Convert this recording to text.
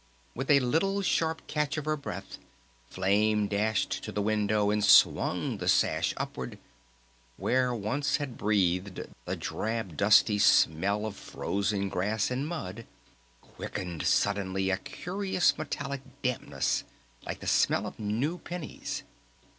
With a little sharp catch of her breath Flame dashed to the window, and swung the sash upward! Where once had breathed the drab, dusty smell of frozen grass and mud quickened suddenly a curious metallic dampness like the smell of new pennies.